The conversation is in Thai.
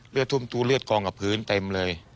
เลือดทุ่มทุ่มเลือดกองกับพื้นเต็มเลย